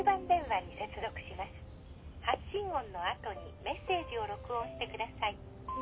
発信音の後にメッセージを録音してください。